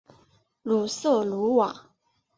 鲁瑟卢瓦。